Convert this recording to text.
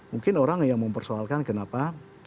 mungkin orang yang mempersoalkan kenapa